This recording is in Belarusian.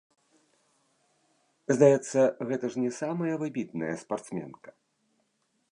Здаецца, гэта ж не самая выбітная спартсменка.